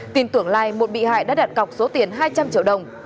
tìm tưởng lai một bị hại đã đạt cọc số tiền hai trăm linh triệu đồng